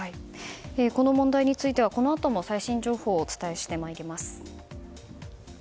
この問題についてはこのあとも最新情報をお伝えしてまいります。